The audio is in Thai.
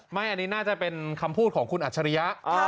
ไม่อันนี้น่าจะเป็นคำพูดของคุณอัจฉริยะ